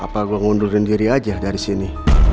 apa gue ngundurin diri aja dari sini